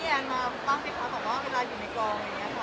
เอาเราไปขอบอกว่าเวลาอยู่ในกรอง